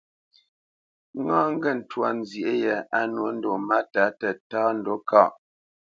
Ŋâ ŋgê ntwá nzyê yē á nwô ndo máta tətá ndǔ kâʼ.